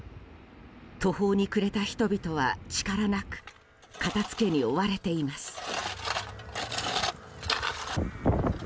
途方に暮れた人々は力なく片付けに追われています。